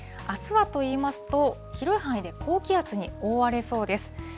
あすはといいますと、広い範囲で高気圧に覆われそうです。